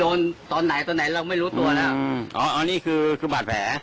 ตอนไหนตอนไหนเราไม่รู้ตัวแล้วอืมอ๋ออันนี้คือคือบาดแผล